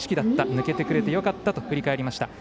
抜けてくれてよかったと振り返りました。